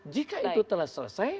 jika itu telah selesai